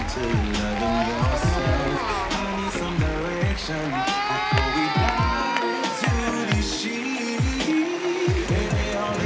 เฮ่ยมันตลก